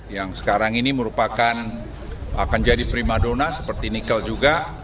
yang sekarang ini merupakan akan jadi prima dona seperti nikel juga